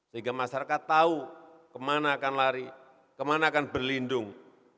sehingga masyarakat tahu kemana akan lari kemana akan berlindung